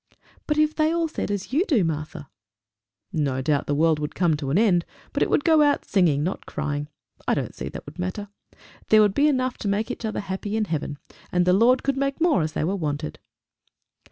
"But if they all said as you do, Martha?" "No doubt the world would come to an end, but it would go out singing, not crying. I don't see that would matter. There would be enough to make each other happy in heaven, and the Lord could make more as they were wanted."